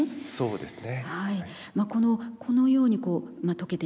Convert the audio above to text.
そうなんですね。